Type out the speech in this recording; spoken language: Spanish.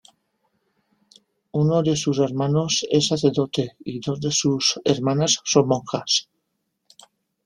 Uno de sus hermanos es sacerdote y dos de sus hermanas son monjas.